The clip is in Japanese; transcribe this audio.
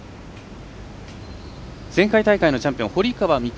前回大会のチャンピオン堀川未来